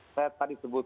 saya tadi sebutkan